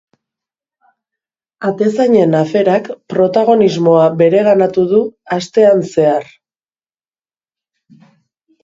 Atezainen aferak protagonismoa bereganatu du astean zehar.